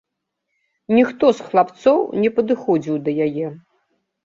Ніхто з хлапцоў не падыходзіў да яе.